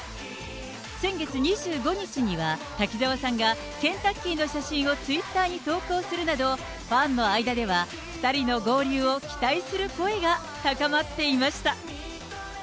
先月２５日には、滝沢さんがケンタッキーの写真をツイッターに投稿するなど、ファンの間では２人の合流を期待する声が高まっていました。